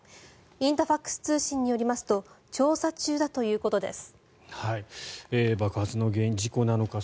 インタファクス通信によりますと調査中だということです。